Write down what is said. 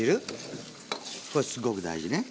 これすごく大事ね。